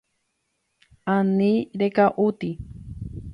Ani reka'úti.